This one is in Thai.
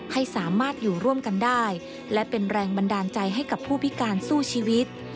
ให้สามารถอยู่ร่วมกันได้และเป็นแรงบันดาลใจให้กับผู้พิการสู้ชีวิต